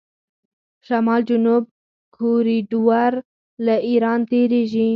شمال جنوب کوریډور له ایران تیریږي.